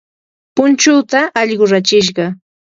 punchuuta allqu rachishqa.